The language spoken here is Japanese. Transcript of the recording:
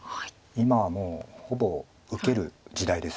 今はもうほぼ受ける時代です